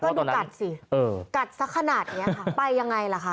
ก็ดูกัดสิกัดสักขนาดนี้ค่ะไปยังไงล่ะคะ